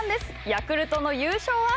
ヤクルトの優勝は！？